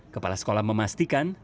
kepala sekolah memastikan